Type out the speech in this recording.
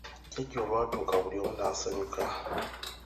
Jjjaja olwatuuka buli omu n'asanyuka.